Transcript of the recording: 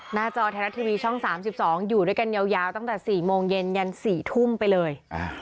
จอไทยรัฐทีวีช่อง๓๒อยู่ด้วยกันยาวตั้งแต่๔โมงเย็นยัน๔ทุ่มไปเลย